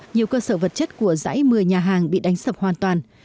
nhiều cơ sở vật chất của giãi mưa nhà hàng bị đánh sập hoàn toàn